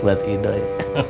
dua ratus buat idoi